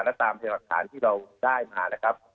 แล้วตามผลหักฐานที่เราได้มานะครับ